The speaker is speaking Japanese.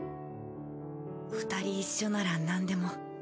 二人一緒ならなんでも。